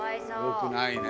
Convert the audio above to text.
よくないね。